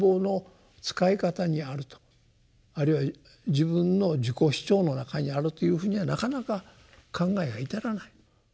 あるいは自分の自己主張の中にあるというふうにはなかなか考えが至らない。